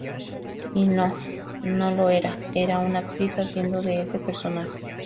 Y no, no lo era, era una actriz haciendo de ese personaje.